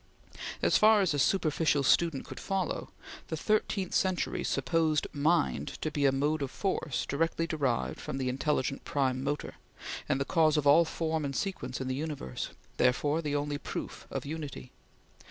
As far as a superficial student could follow, the thirteenth century supposed mind to be a mode of force directly derived from the intelligent prime motor, and the cause of all form and sequence in the universe therefore the only proof of unity.